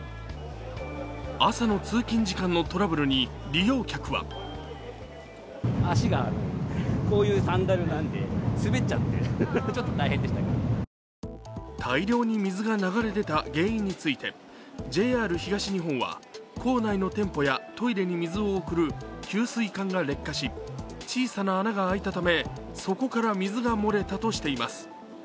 朝の通勤時間のトラブルに利用客は大量に水が流れ出た原因についてＪＲ東日本は、構内の店舗やトイレに水を送る給水管が劣化し小さな穴が開いたため、そこから水が漏れたとしています。